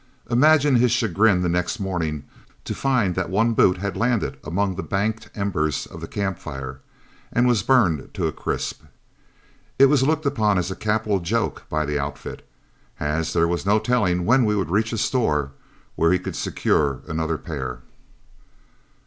Imagine his chagrin the next morning to find that one boot had landed among the banked embers of the camp fire, and was burned to a crisp. It was looked upon as a capital joke by the outfit, as there was no telling when we would reach a store where he could secure another pair.